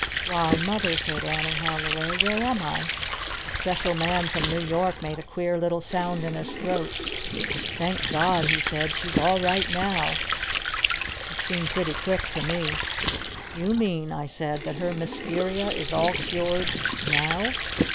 "Why, Mother," said Annie Halliway. "Where am I?" The Special Man from New York made a queer little sound in his throat. "Thank God!" he said. "She's all right now!" It seemed pretty quick to me. "You mean " I said, "that her Mysteria is all cured now?"